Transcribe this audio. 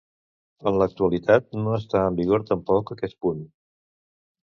En l'actualitat no està en vigor tampoc aquest punt.